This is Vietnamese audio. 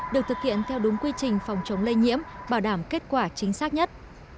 được thực hiện theo đúng quy trình phòng chống lây nhiễm bảo đảm kết quả chính xác nhất